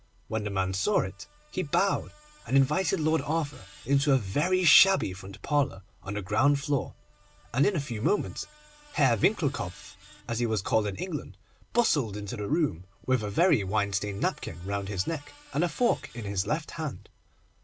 When the man saw it he bowed, and invited Lord Arthur into a very shabby front parlour on the ground floor, and in a few moments Herr Winckelkopf, as he was called in England, bustled into the room, with a very wine stained napkin round his neck, and a fork in his left hand.